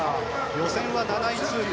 予選は７位通過。